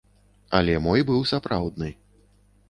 Але мой быў сапраўдны.